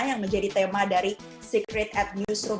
yang menjadi tema dari secret at newsroom